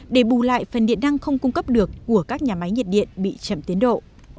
để bù lại phần điện năng không cung cấp được của các nhà máy nhiệt điện bị chậm tiến độ